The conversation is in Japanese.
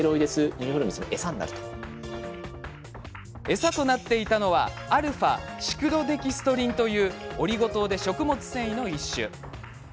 餌となっていたのはα−シクロデキストリンというオリゴ糖で食物繊維の一種。